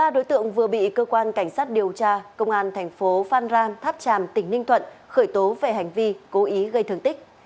ba đối tượng vừa bị cơ quan cảnh sát điều tra công an thành phố phan rang tháp tràm tỉnh ninh thuận khởi tố về hành vi cố ý gây thương tích